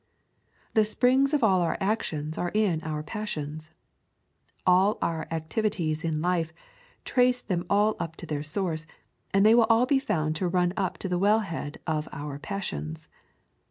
The springs of all our actions are in our passions. All our activities in life, trace them all up to their source, and they will all be found to run up into the wellhead of our passions.